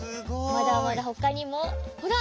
まだまだほかにもほら！